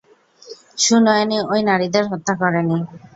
সুনয়নী ওই নারীদের হত্যা করেনি।